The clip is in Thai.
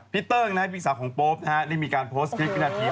เติ้งนะฮะพี่สาวของโป๊ปได้มีการโพสต์คลิปวินาที